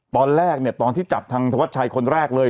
ตอนแรกเนี่ยตอนที่จับทางธวัดชัยคนแรกเลย